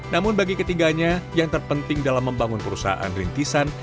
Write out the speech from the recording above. namun bagi ketiganya yang terpenting dalam membangun perusahaan rintisan